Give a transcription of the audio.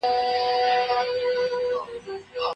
د سباوون ترانې وپاڅوم